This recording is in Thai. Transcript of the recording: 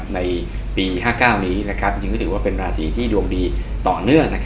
ในปี๕๙นี้จริงก็ถือว่าเป็นราศีที่ดวงดีต่อเนื่อง